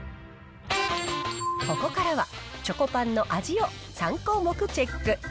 ここからは、チョコパンの味を３項目チェック。